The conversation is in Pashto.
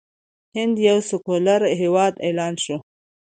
هند یو سیکولر هیواد اعلان شو.